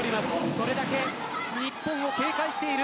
それだけ日本を警戒している